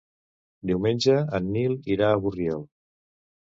Diumenge en Nil irà a Borriol.